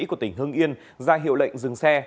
của tỉnh hưng yên ra hiệu lệnh dừng xe